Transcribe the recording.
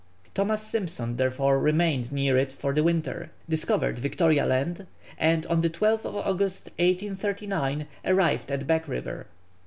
Thomas Simpson therefore remained near it for the winter, discovered Victoria Land, and on the 12th August, 1839, arrived at Back River.